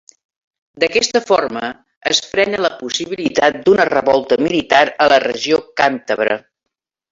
D'aquesta forma, es frena la possibilitat d'una revolta militar a la regió càntabra.